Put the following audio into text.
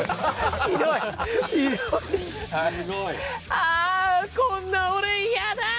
あーこんな俺嫌だぁ！